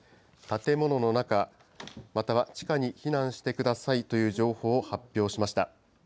建物の中、または地下に避難してくださいという情報を発表しました。